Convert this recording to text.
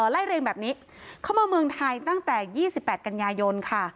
ไล่เรียงแบบนี้เข้ามาเมืองไทยตั้งแต่๒๘กันยายนค่ะ